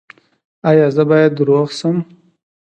ایا زه باید روغ شم؟